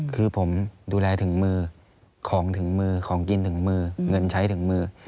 คือผมดูแลถึงมือของถึงมือของกินถึงมือเงินใช้ถึงมือ